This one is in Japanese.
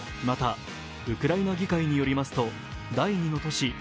また、ウクライナ議会によりますと第２の都市